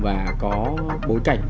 và có bối cảnh